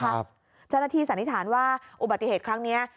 ครับเจ้าหน้าที่สันนิษฐานว่าอุบัติเหตุครั้งเนี้ย